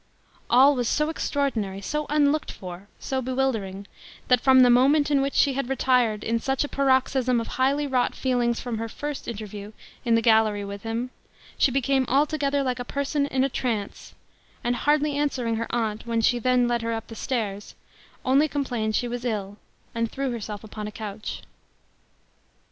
All was so extraordinary, so unlooked for, so bewildering, that from the moment in which she had retired in such a paroxysm of highly wrought feelings from her first interview in the gallery with him, she became altogether like a person in a trance; and hardly answering her aunt, when she then led her up the stairs, only complained she was ill, and threw herself upon a couch.